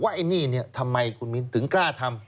ว่าไอ้นี่เนี่ยทำไมคุณมินถึงกล้าทำ